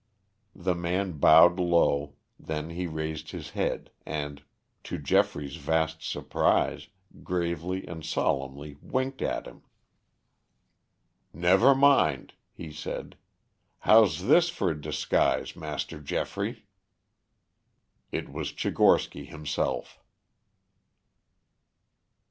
The man bowed low, then he raised his head and, to Geoffrey's vast surprise, gravely and solemnly winked at him. "Never mind," he said. "How's this for a disguise, Master Geoffrey?" It was Tchigorsky himself.